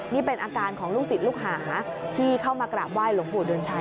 นี่เป็นอาการของลูกศิษย์ลูกหาที่เข้ามากราบไห้หลวงปู่เดือนชัย